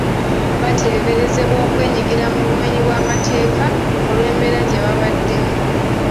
Bateebereza okwenyigira mu bumenyi bw’amateeka olw’embeera gye baabaddemu.